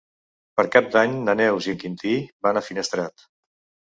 Per Cap d'Any na Neus i en Quintí van a Finestrat.